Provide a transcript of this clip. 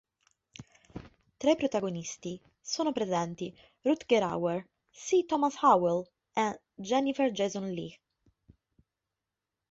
Tra i protagonisti sono presenti Rutger Hauer, C. Thomas Howell e Jennifer Jason Leigh.